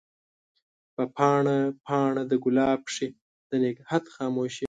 په پاڼه ، پاڼه دګلاب کښي د نګهت خاموشی